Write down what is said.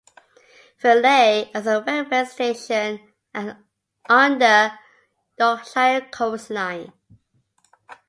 Filey has a railway station on the Yorkshire Coast Line.